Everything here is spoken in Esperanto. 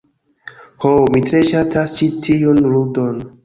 Ho, mi tre ŝatas ĉi tiun ludon.